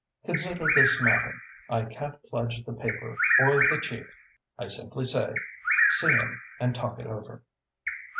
Consider this matter. I can't pledge the paper or the chief. I simply say see him and talk it over."